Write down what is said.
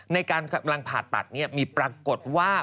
ในการกำลังผ่าตัดมีปรากฏว่า